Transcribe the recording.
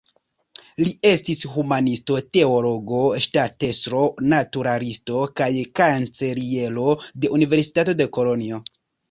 Li estis humanisto, teologo, ŝtatestro, naturalisto kaj kanceliero de la Universitato de Kolonjo.